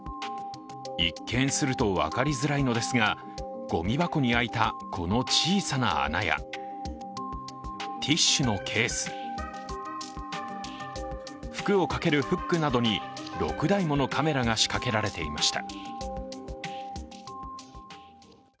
一見すると分かりづらいのですが、ごみ箱にあいたこの小さな穴やティッシュのケース、服をかけるフックなどに６台ものカメラが仕掛けられていました。